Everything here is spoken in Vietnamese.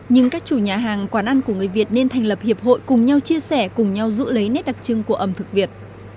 nhưng các chủ nhà hàng quán ăn của người việt nên thành lập hiệp hội cùng nhau chia sẻ cùng nhau giữ lấy nét đặc trưng của ẩm thực việt